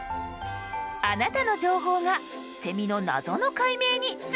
あなたの情報がセミの謎の解明につながるかも！